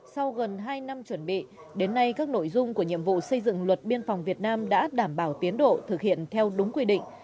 sau gần hai năm chuẩn bị đến nay các nội dung của nhiệm vụ xây dựng luật biên phòng việt nam đã đảm bảo tiến độ thực hiện theo đúng quy định